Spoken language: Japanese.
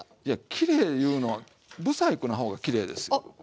きれいいうのは不細工な方がきれいですよ。